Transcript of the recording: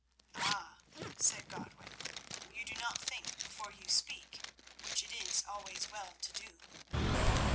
"Ah!" said Godwin; "you do not think before you speak, which it is always well to do."